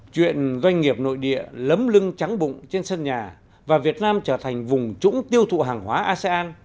chuyện doanh nghiệp nội địa lấm lưng trắng bụng trên sân nhà và việt nam trở thành vùng trũng tiêu thụ hàng hóa asean